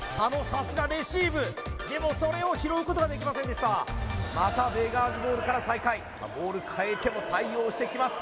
さすがレシーブでもそれを拾うことができませんでしたまたＶｅｇａｅｓボールから再開ボールかえても対応してきます